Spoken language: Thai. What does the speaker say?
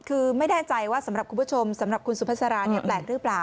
คือไม่แน่ใจว่าสำหรับคุณผู้ชมสำหรับคุณสุภาษาราเนี่ยแปลกหรือเปล่า